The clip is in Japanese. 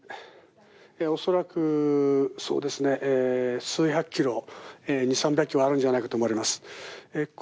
恐らく数百ｋｇ、２００３００ｋｇあるんじゃないかと思います。